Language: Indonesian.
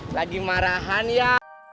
lagi marahan ya